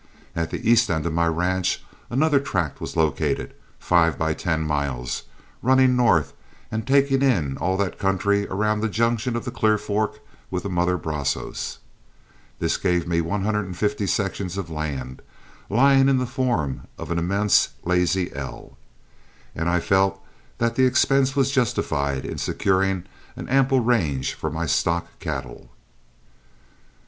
At the east end of my ranch another tract was located, five by ten miles, running north and taking in all that country around the junction of the Clear Fork with the mother Brazos. This gave me one hundred and fifty sections of land, lying in the form of an immense Lazy L, and I felt that the expense was justified in securing an ample range for my stock cattle.